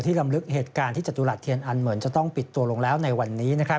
ลำลึกเหตุการณ์ที่จตุรัสเทียนอันเหมือนจะต้องปิดตัวลงแล้วในวันนี้